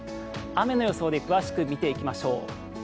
雨の予想で詳しく見ていきましょう。